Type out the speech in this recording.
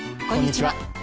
こんにちは。